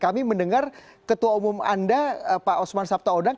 kami mendengar ketua umum anda pak osman sabta odang